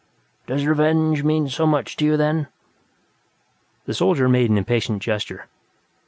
"Does revenge mean so much to you, then?" The soldier made an impatient gesture.